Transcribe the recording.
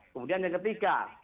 kemudian yang ketiga